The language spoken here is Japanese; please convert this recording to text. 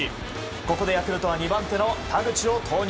ここでヤクルトは２番手の田口を投入。